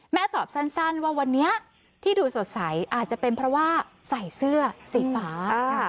ตอบสั้นว่าวันนี้ที่ดูสดใสอาจจะเป็นเพราะว่าใส่เสื้อสีฟ้า